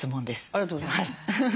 ありがとうございます。